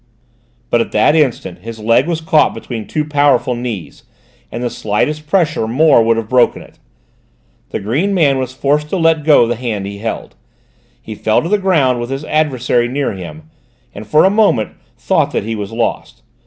But at that instant his leg was caught between two powerful knees, and the slightest pressure more would have broken it. The green man was forced to let go the hand he held; he fell to the ground with his adversary upon him, and for a moment thought that he was lost.